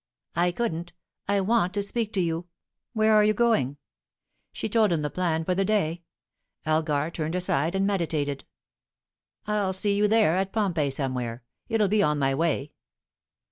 "I couldn't. I want to speak to you. Where are you going?" She told him the plan for the day. Elgar turned aside, and meditated. "I'll see you there at Pompeii somewhere. It'll be on my way."